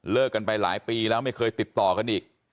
กันไปหลายปีแล้วไม่เคยติดต่อกันอีก